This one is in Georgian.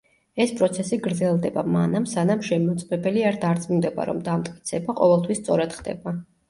ეს პროცესი გრძელდება, მანამ სანამ შემმოწმებელი არ დარწმუნდება, რომ დამტკიცება ყოველთვის სწორად ხდება.